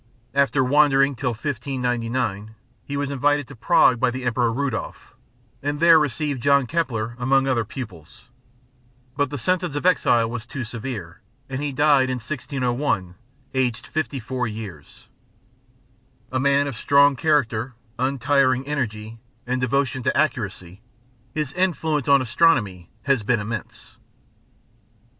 After wandering till 1599, he was invited to Prague by the Emperor Rudolf, and there received John Kepler among other pupils. But the sentence of exile was too severe, and he died in 1601, aged 54 years. A man of strong character, untiring energy, and devotion to accuracy, his influence on astronomy has been immense.